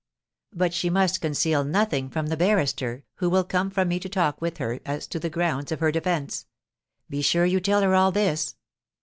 But she must conceal nothing from the barrister who will come from me to talk with her as to the grounds of her defence. Be sure you tell her all this."